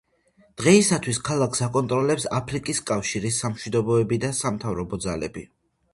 დღეისათვის ქალაქს აკონტროლებს აფრიკის კავშირის სამშვიდობოები და სამთავრობო ძალები.